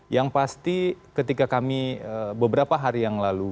yang pasti ketika kami beberapa hari yang lalu